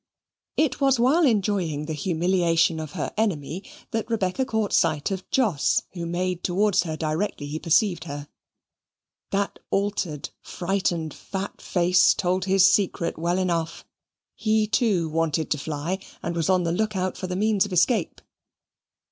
It was while enjoying the humiliation of her enemy that Rebecca caught sight of Jos, who made towards her directly he perceived her. That altered, frightened, fat face, told his secret well enough. He too wanted to fly, and was on the look out for the means of escape.